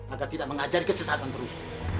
agar tidak mengajari kesesatan terus